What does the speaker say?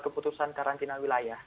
keputusan karantina wilayah